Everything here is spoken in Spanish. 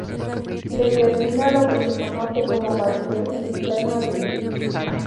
Determina lo que se conoce como validez interna del estudio.